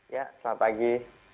ya selamat pagi